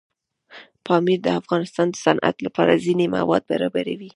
پامیر د افغانستان د صنعت لپاره ځینې مواد برابروي.